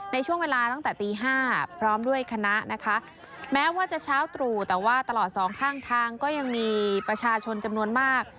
ในช่วงเวลาตั้งแต่ตี๕พร้อมด้วยคณะนะคะแม้ว่าจะเช้าตรู่แต่ว่าตลอดสองข้างทางก็ยังมีประชาชนจำนวนมาก